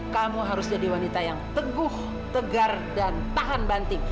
kamu harus jadi wanita yang teguh tegar dan tahan banting